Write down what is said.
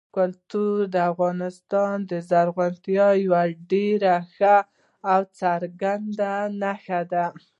کلتور د افغانستان د زرغونتیا یوه ډېره ښه او څرګنده نښه ده.